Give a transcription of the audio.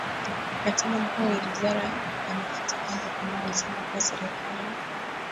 Katibu Mkuu wa Wizara ya Mafuta Andrew Kamau alisema kuwa serikali